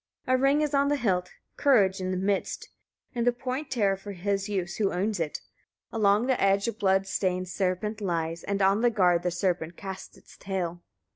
9. A ring is on the hilt, courage in the midst, in the point terror for his use who owns it: along the edge a blood stained serpent lies, and on the guard the serpent casts its tail.